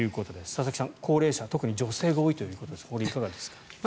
佐々木さん、高齢者特に女性が多いということですがいかがですか。